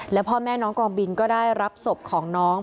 และพ่อแม่น้องกองบินก็ได้รับศพของน้อง